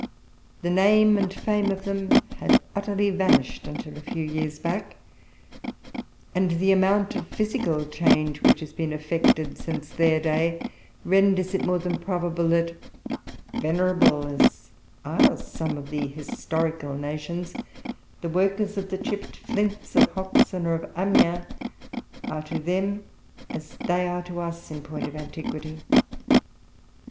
The name and fame of them had utterly vanished until a few years back; and the amount of physical change which has been effected since their day renders it more than probable that, venerable as are some of the historical nations, the workers of the chipped flints of Hoxne or of Amiens are to them, as they are to us, in point of antiquity.